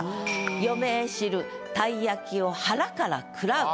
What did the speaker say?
「余命知るたい焼きを腹から食らう」。